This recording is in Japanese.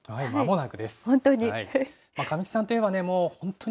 本当に。